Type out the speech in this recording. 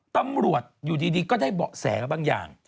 ต้ำรวจอยู่ดีก็ได้บอกแสกับบางอย่าง